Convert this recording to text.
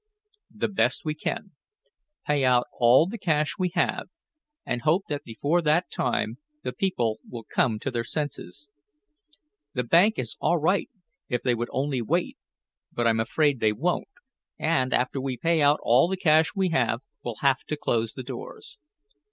"The best we can. Pay out all the cash we have, and hope that before that time, the people will come to their senses. The bank is all right if they would only wait. But I'm afraid they won't and, after we pay out all the cash we have, we'll have to close the doors.